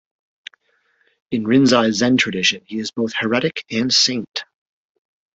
In Rinzai Zen tradition, he is both heretic and saint.